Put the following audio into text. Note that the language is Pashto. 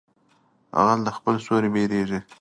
غل د خپله سوري بيرېږي.